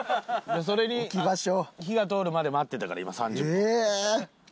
それに火が通るまで待ってたから今３０分。